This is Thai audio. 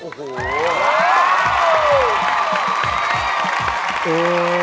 โอ้โห